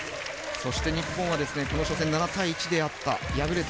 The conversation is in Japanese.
そして日本はこの初戦７対１で敗れた。